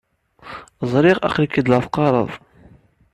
Ẓriɣ aql-ik la teqqareḍ.